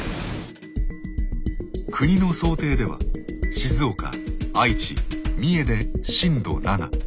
国の想定では静岡愛知三重で震度７。